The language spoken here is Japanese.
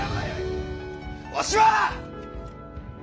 わしは！